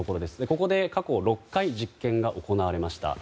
ここで過去６回実験が行われました。